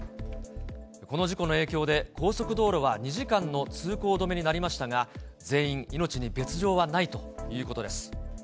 この事故の影響で、高速道路は２時間の通行止めになりましたが、全員命に別状はないということです。